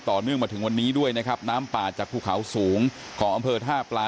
ต่อเนื่องมาถึงวันนี้ด้วยนะครับน้ำป่าจากภูเขาสูงของอำเภอท่าปลา